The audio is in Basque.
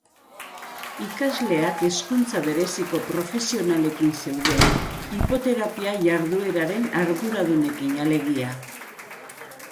Ikasleak hezkuntza bereziko profesionalekin zeuden, hipoterapia jardueraren arduradunekin, alegia.